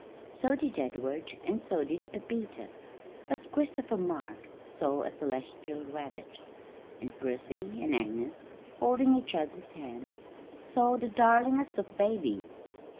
So did Edward and so did Pepita; but Christopher Mark saw a celestial rabbit; and Percy and Agnes, holding each other's hand, saw the darlingest of babies.